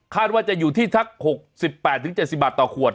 ว่าจะอยู่ที่ทัก๖๘๗๐บาทต่อขวด